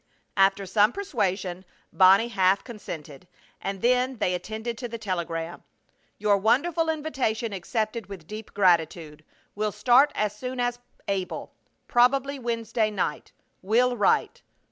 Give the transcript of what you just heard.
After some persuasion Bonnie half consented, and then they attended to the telegram. Your wonderful invitation accepted with deep gratitude. Will start as soon as able. Probably Wednesday night. Will write.